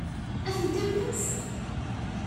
Ad tent-tamnemt?